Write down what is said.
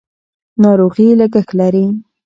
ناروغي لګښت لري.